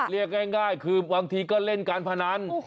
เรียกง่ายคือบางทีก็เล่นการพนัน